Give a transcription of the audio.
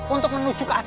untuk menuju ke asramanya